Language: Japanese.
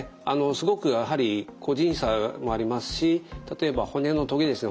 すごくやはり個人差もありますし例えば骨のとげですね